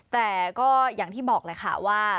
แต่ก็อย่างที่บอกแหละค่ะว่า